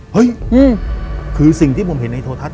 เฮ้ยคือสิ่งที่ผมเห็นในโทรทัศ